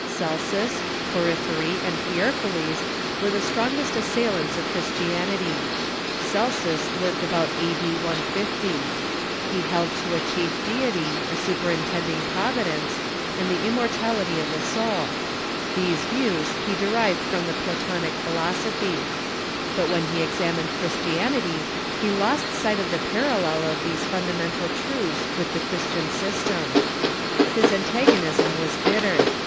Celsus, Porphyrj^, and Hierocles were the strongest assail ants of Christianity. Celsus lived about a.d. 1 50. He held strongest to a chief deity, a superintending providence, and Assaiiantsof the immortality of the soul. These views he de ns lani y ^^^^^^ from the Platonic philosophy. But when he examined Christianity, he lost sight of the parallel of these fundamental truths with the Christian system. His antag onism was bitter.